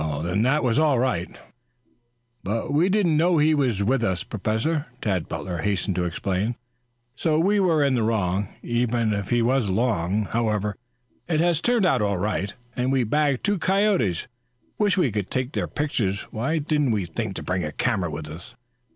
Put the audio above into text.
"Then that was all right." "But we didn't know he was with us, Professor," Tad Butler hastened to explain. "So we were in the wrong, even if he was along. However, it has turned out all right, and we've bagged two coyotes. Wish we could take their pictures. Why didn't we think to bring a camera with us?"